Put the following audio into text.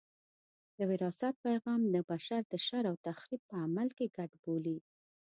د وراثت پیغام د بشر د شر او تخریب په عمل کې ګډ بولي.